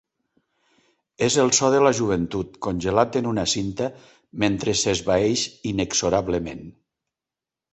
És el so de la joventut, congelat en una cinta, mentre s'esvaeix inexorablement.